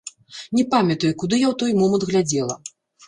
Не памятаю, куды я ў той мамант глядзела.